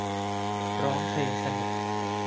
ร้องเพลง สนุก